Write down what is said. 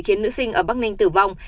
khiến nữ sinh ở bắc ninh tử vong